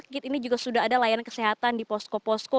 pengusia yang sakit ini juga sudah ada layanan kesehatan di posko posko